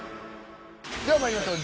ではまいりましょう。